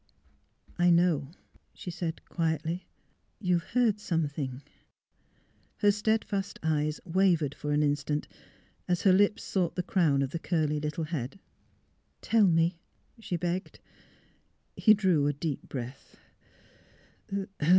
" I know," she said, quietly. " You — you've heard something " Her steadfast eyes wavered for an instant as her lips sought the crown of the curly little head. " Tell me," she begged. He drew a deep breath.